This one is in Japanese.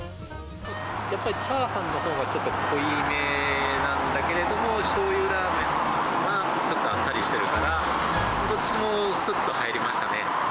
やっぱりチャーハンのほうがちょっと濃いめなんだけれども、しょうゆラーメンはちょっとあっさりしてるから、どっちもすっと入りましたね。